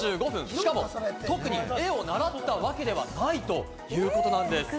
しかも特に絵を習ったわけではないということなんです。